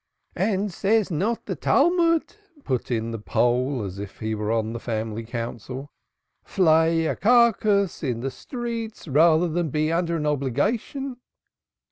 "And says not the Talmud," put in the Pole as if he were on the family council, "'Flay a carcass in the streets rather than be under an obligation'?"